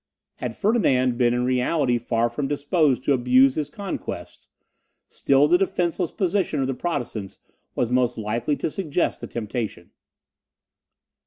Had Ferdinand been in reality far from disposed to abuse his conquests, still the defenceless position of the Protestants was most likely to suggest the temptation.